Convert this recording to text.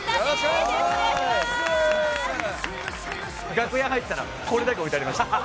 楽屋入ったらこれだけ置いてありました。